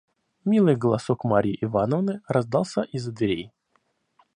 Милый голосок Марьи Ивановны раздался из-за дверей.